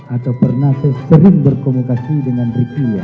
atau pernah saya sering berkomunikasi dengan ricky ya